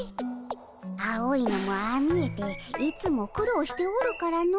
青いのもああ見えていつもくろうしておるからの。